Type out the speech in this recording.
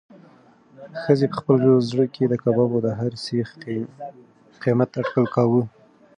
ښځې په خپل زړه کې د کبابو د هر سیخ قیمت اټکل کاوه.